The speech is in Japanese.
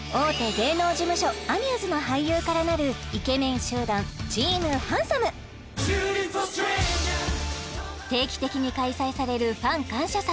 芸能事務所アミューズの俳優から成るイケメン集団定期的に開催されるファン感謝祭